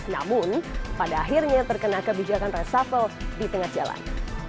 namun pada akhirnya terkena kebijakan reshuffle di tengah jalan